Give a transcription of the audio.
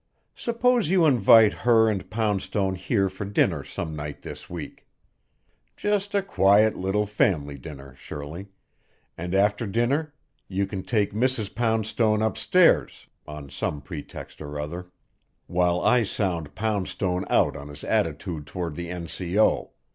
Suppose you invite her and Poundstone here for dinner some night this week. Just a quiet little family dinner, Shirley, and after dinner you can take Mrs. Poundstone upstairs, on some pretext or other, while I sound Poundstone out on his attitude toward the N. C. O.